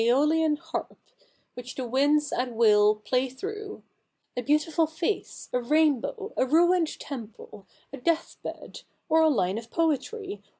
Eolian harp, which the v>inds at will play through — a beautiful face, a rainbow, a ruined temple, a death bed, or a line of poetry.